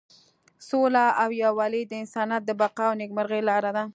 سوله او یووالی د انسانیت د بقا او نیکمرغۍ لاره ده.